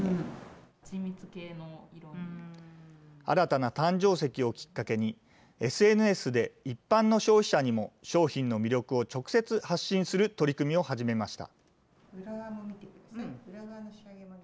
新たな誕生石をきっかけに、ＳＮＳで一般の消費者にも商品の魅力を直接発信する取り組みを始めました。